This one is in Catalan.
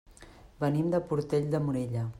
Venim de Portell de Morella.